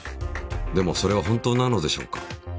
でもそれは本当なのでしょうか。